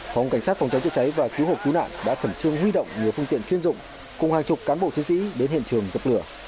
phòng cảnh sát phòng cháy chữa cháy và cứu hộ cứu nạn đã khẩn trương huy động nhiều phương tiện chuyên dụng cùng hàng chục cán bộ chiến sĩ đến hiện trường dập lửa